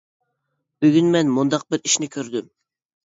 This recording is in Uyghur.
بۈگۈن مەن مۇنداق بىر ئىشنى كۆردۈم.